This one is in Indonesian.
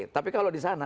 tapi kalau di sana